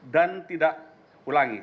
dan tidak ulangi